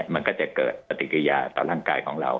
มันก็จะเกิดปฏิกิริยาต่อร่างกายของเรา